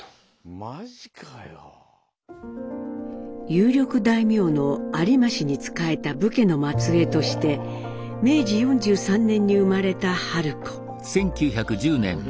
有力大名の有馬氏に仕えた武家の末裔として明治４３年に生まれた春子。